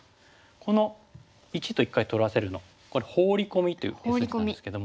この①と一回取らせるのこれ「ホウリコミ」という筋なんですけども。